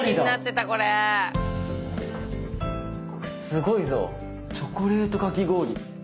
すごいぞチョコレートかき氷。